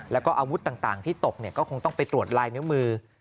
แล้วก็อาวุธต่างที่ตกก็คงต้องไปตรวจลายนิ้วมือ